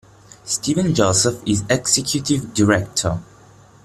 Stephen Joseph is Executive Director.